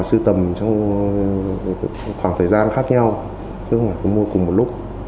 sư tầm trong khoảng thời gian khác nhau chứ không phải mua cùng một lúc